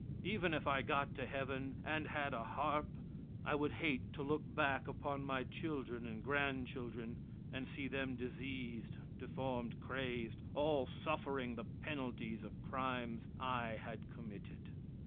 Even if I got to heaven, and had a harp, I would hate to look back upon my children and grandchildren, and see them diseased, deformed, crazed, all suffering the penalties of crimes I had committed.